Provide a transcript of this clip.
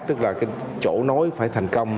tức là chỗ nối phải thành công